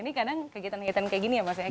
ini kadang kegiatan kegiatan kayak gini ya mas